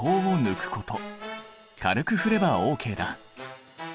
軽く振ればＯＫだ。